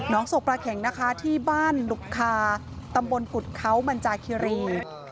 น้องศพลาแข็งนะคะที่บ้านลุคคาตำบลกุฎเขาบรรจาคิรี